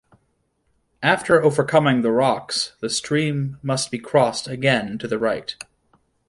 After overcoming the rocks, the stream must be crossed again to the right.